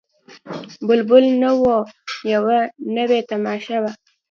بلبل نه وو یوه نوې تماشه وه